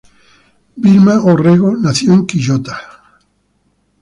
Vilma Orrego nació en Quillota.